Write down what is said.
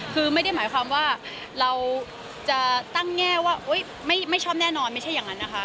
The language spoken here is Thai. คือไม่ได้หมายความว่าเราจะตั้งแง่ว่าไม่ชอบแน่นอนไม่ใช่อย่างนั้นนะคะ